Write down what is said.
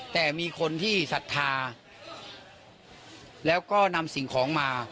แต่มีคนที่ศรัทธาแล้วก็นำสิ่งของมา